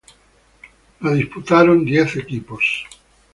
La disputaron diez equipos.